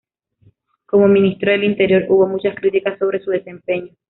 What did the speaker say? Como Ministro del Interior hubo muchas críticas sobre su desempeño.